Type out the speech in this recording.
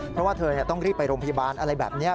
เพราะว่าเธอต้องรีบไปโรงพยาบาลอะไรแบบนี้